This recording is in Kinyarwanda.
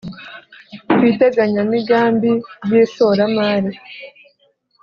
ku iteganyamigambi ry ishoramari